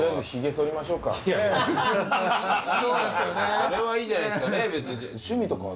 それはいいじゃないですかねぇ。